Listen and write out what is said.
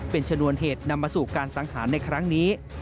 เป็นชนวนเหตุนำมาสู่การสังหารในครั้งนี้